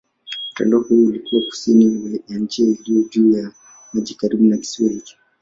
Mtandao huu huwa kusini ya njia iliyo juu ya maji karibu na kisiwa hiki.